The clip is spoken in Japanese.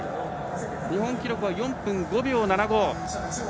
日本記録は４分５秒７５。